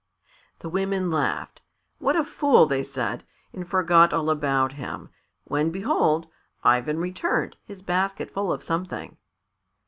The women laughed. "What a fool!" they said, and forgot all about him, when behold! Ivan returned, his basket full of something.